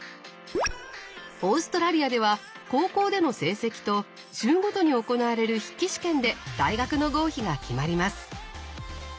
オーストラリアでは高校での成績と州ごとに行われる筆記試験で大学の合否が決まります。